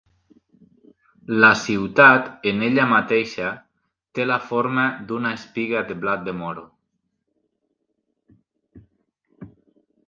La ciutat en ella mateixa té la forma d'una espiga de blat de moro.